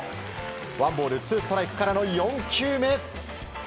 ワンボールツーストライクからの４球目。